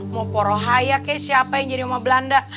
mau rohayeh kayaknya siapa yang jadi roma belanda